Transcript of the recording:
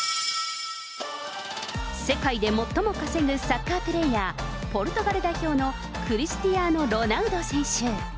世界でもっとも稼ぐサッカープレーヤー、ポルトガル代表のクリスティアーノ・ロナウド選手。